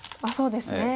そうですね。